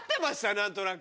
何となく。